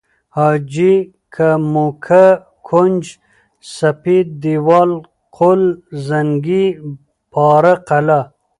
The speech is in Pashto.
حاجي که، موکه، کونج، سپید دیوال، قل زنگي، پاره قلعه